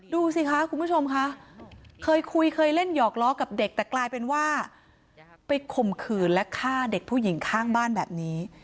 ดูสิคะคุณผู้ชมค่ะเคยคุยเคยเล่นหยอกล้อกับเด็กแต่กลายเป็นว่าไปข่มขืนและฆ่าเด็กผู้หญิงข้างบ้านแบบนี้